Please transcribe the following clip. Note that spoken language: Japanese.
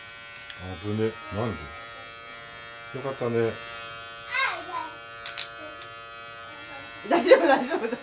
大丈夫大丈夫。